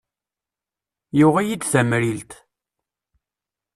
Yuɣ-iyi-d tamrilt.